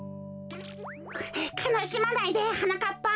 かなしまないではなかっぱ。